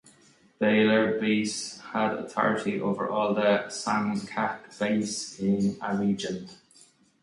Beylerbeyis had authority over all the sancakbeyis in a region.